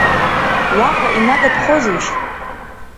Уаҟа инагатәхозеишь?